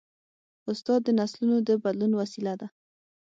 استاد د نسلونو د بدلون وسیله ده.